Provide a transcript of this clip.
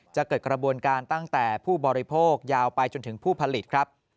จะเกิดกระบวนการตั้งแต่ผู้บริโภคยาวไปจนถึงผู้ผลิตครับ